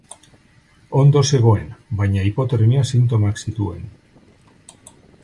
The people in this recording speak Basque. Ondo zegoen, baina hipotermia sintomak zituen.